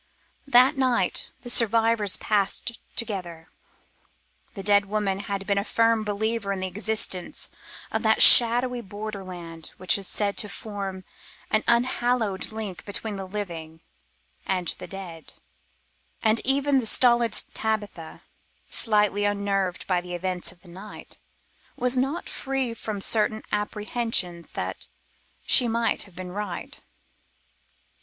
That night the survivors passed together. The dead woman had been a firm believer in the existence of that shadowy borderland which is said to form an unhallowed link between the living and the dead, and even the stolid Tabitha, slightly unnerved by the events of the night, was not free from certain apprehensions that she might have been right.